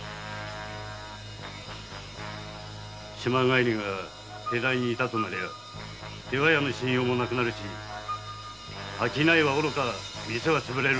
島帰りが手代にいたとなりゃ出羽屋の信用もなくなるし商いはおろか店はつぶれる！